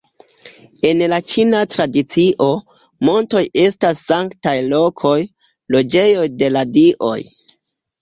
En la ĉina tradicio, montoj estas sanktaj lokoj, loĝejoj de la dioj.